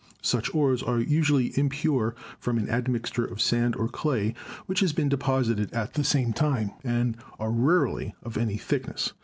Such ores are usually impure from an admixture of sand or clay which has been de posited at the same time, and are rarely of any thickness.